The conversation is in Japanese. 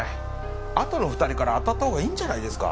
あとの２人から当たったほうがいいんじゃないですか？